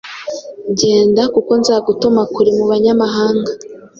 Genda kuko nzagutuma kure mu banyamahanga.”